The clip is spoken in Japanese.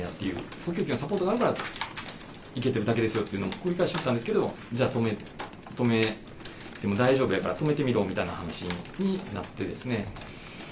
呼吸器のサポートがあるから、いけてるだけですよっていうのを繰り返し言ったんですけど、じゃあ、止めても大丈夫やから、止めてみろみたいな話になってですね。